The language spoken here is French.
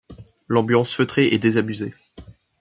L’ambiance feutrée et désabusée…